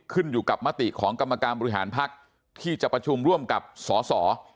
ขึ้นอยู่กับมติของกรรมการบริหารภักดิ์ที่จะประชุมร่วมกับสส